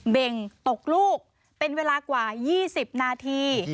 เบ่งตกลูกเป็นเวลากว่า๒๐นาที